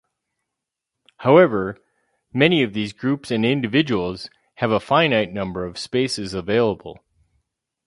However, many of these groups and individuals have a finite number of spaces available.